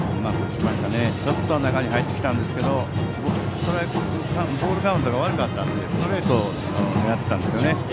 ちょっと中に入ってきたんですけどボールカウントが悪かったのでストレートを狙っていたんですね。